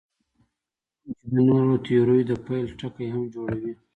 کوم چې د نورو تیوریو د پیل ټکی هم جوړوي.